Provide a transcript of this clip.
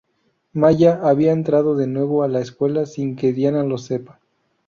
Maia había entrado de nuevo a la escuela sin que Diana lo sepa.